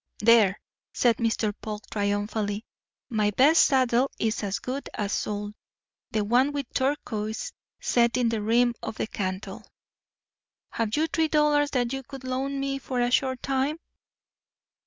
"There!" said Mr. Polk triumphantly. "My best saddle is as good as sold—the one with turquoises set in the rim of the cantle. Have you three dollars that you could loan me for a short time?"